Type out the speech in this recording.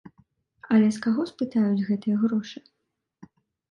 Але з каго спытаюць гэтыя грошы?